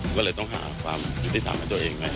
ก็เลยต้องหาความมิติศาสตร์ให้ตัวเอง